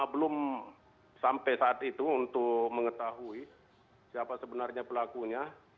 belum sampai saat itu untuk mengetahui siapa sebenarnya pelakunya